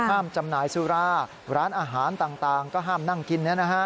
จำหน่ายสุราร้านอาหารต่างก็ห้ามนั่งกิน